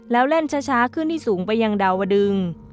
แล้วเล่นช้าขึ้นที่สูงไปยังดาวดึง